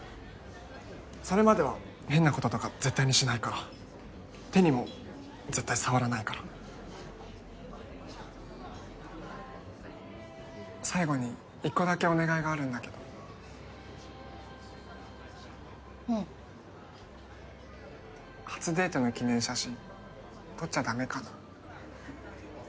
それまでは変なこととか絶対にしないから手にも絶対触らないから最後に一個だけお願いがあるんだけどうん初デートの記念写真撮っちゃダメかな？